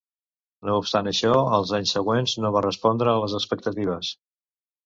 No obstant això, als anys següents no va respondre a les expectatives.